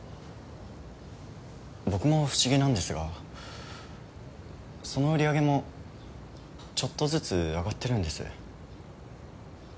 僕も不思議なんですがその売り上げもちょっとずつ上がってるんです。